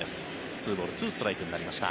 ２ボール２ストライクになりました。